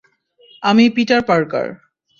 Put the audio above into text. আমি Peter Parker.